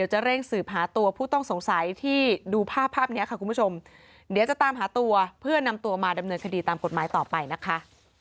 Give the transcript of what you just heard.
จะเร่งสืบหาตัวผู้ต้องสงสัยที่ดูภาพภาพนี้ค่ะคุณผู้ชมเดี๋ยวจะตามหาตัวเพื่อนำตัวมาดำเนินคดีตามกฎหมายต่อไปนะคะ